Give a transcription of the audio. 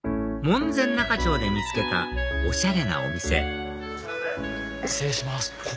門前仲町で見つけたおしゃれなお店いらっしゃいませ。